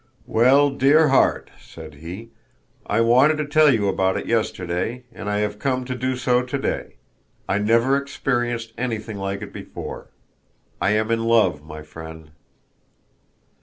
"Well, dear heart," said he, "I wanted to tell you about it yesterday and I have come to do so today. I never experienced anything like it before. I am in love, my friend!"